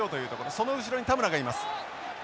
その後ろに田村がいます。